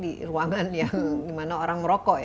di ruangan yang dimana orang merokok